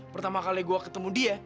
pertama kali gue ketemu dia